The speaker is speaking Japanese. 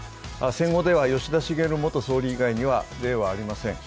戦後では吉田茂元総理以外には例はありません。